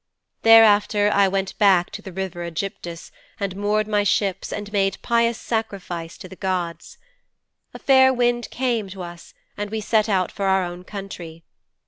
'Thereafter I went back to the river Ægyptus and moored my ships and made pious sacrifice to the gods. A fair wind came to us and we set out for our own country.